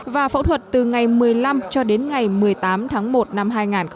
và phẫu thuật từ ngày một mươi năm cho đến ngày một mươi tám tháng một năm hai nghìn hai mươi